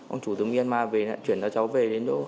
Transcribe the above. ông chủ từ myanmar về chuyển cho cháu về